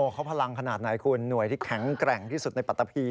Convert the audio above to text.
เขาพลังขนาดไหนคุณหน่วยที่แข็งแกร่งที่สุดในปัตตะพี